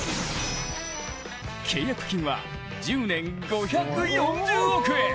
契約金は、１０年５４０億円。